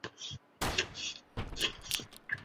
菲白竹为禾本科大明竹属下的一个种。